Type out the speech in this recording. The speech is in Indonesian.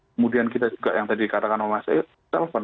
kemudian kita juga yang tadi katakan sama mas elvan